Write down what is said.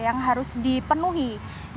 yang harus diperbolehkan